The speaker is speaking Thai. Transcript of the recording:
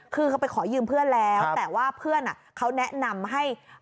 คือเขาไปขอยืมเพื่อนแล้วแต่ว่าเพื่อนเขาแนะนำให้